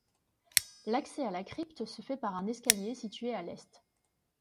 L'accès à la crypte se fait par un escalier situé à l'est.